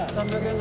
３００円。